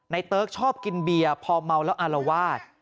เติ๊กชอบกินเบียร์พอเมาแล้วอารวาส